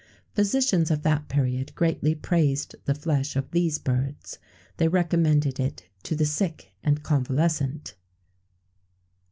[XVII 95] Physicians of that period greatly praised the flesh of these birds; they recommended it to the sick and convalescent.